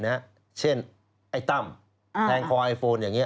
เช่นไอ้ตั้มแทงคอไอโฟนอย่างนี้